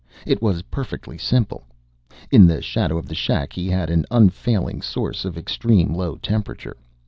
It was perfectly simple. In the shadow of the shack he had an unfailing source of extreme low temperature.